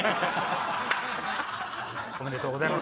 おめでとうございます。